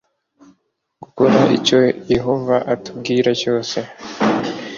gukora icyo yehova atubwira cyose